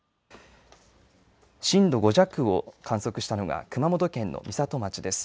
震度５弱を観測したのが熊本県の美里町です。